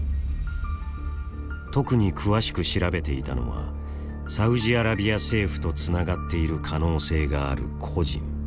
特に詳しく調べていたのはサウジアラビア政府とつながっている可能性がある個人。